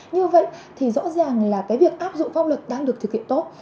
như vậy thì rõ ràng là cái việc áp dụng pháp luật đang được thực hiện tốt